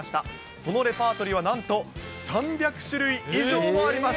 そのレパートリーはなんと３００種類以上もあります。